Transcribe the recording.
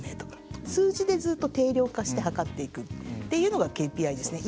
数字でずっと定量化して測っていくっていうのがＫＰＩですね。